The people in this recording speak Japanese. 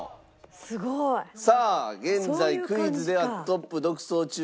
すごい！さあ現在クイズではトップ独走中。